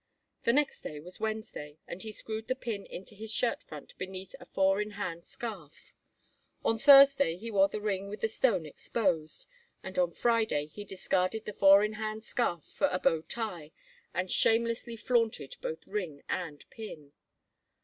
The next day was Wednesday, and he screwed the pin into his shirt front underneath a four in hand scarf. On Thursday he wore the ring with the stone exposed, and on Friday he discarded the four in hand scarf for a bow tie and shamelessly flaunted both ring and pin.